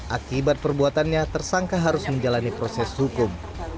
akibat perbuatannya tersangka harus menjalani proses hukum